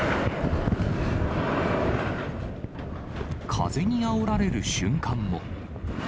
風にあおられる瞬間も。